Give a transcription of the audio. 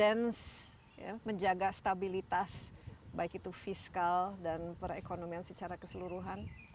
ini sesuai dengan prudensi menjaga stabilitas baik itu fiskal dan perekonomian secara keseluruhan